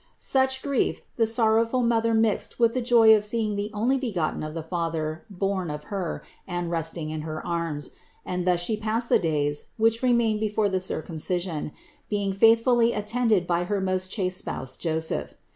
517. Such grief the sorrowful Mother mixed with the joy of seeing the Onlybegotten of the Father born of Her and resting in her arms, and thus She passed the days which remained before the Circumcision, being faithfully attended by her most chaste spouse Joseph.